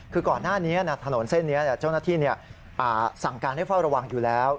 คือก่อนหน้านี้ถนนเส้นนี้เจ้าหน้าที่สั่งการให้เฝ้าระวังอยู่แล้ว